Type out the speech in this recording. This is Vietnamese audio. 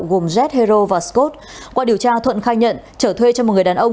gồm jet hero và scott qua điều tra thuận khai nhận trở thuê cho một người đàn ông